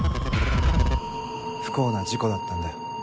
不幸な事故だったんだよ。